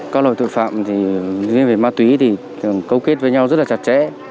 các loại thực phạm riêng về ma túy thì thường câu kết với nhau rất là chặt chẽ